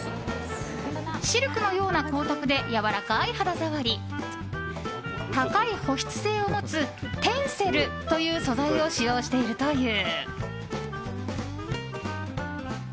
シルクのような光沢でやわらかい肌触り高い保湿性を持つテンセルという素材を使用しているという。